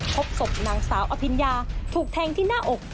พบศพนางสาวอภิญญาถูกแทงที่หน้าอก